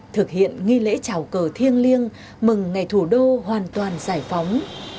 thực hiện nghi lễ trào cờ thiêng liêng mừng ngày thủ đô hoàn toàn giải phóng